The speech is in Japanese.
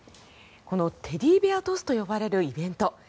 このテディベア・トスと呼ばれるイベント